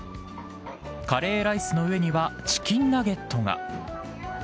カレーライスの上にはチキンナゲットが。